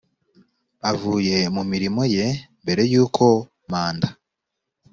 avuye mu mirimo ye mbere y uko manda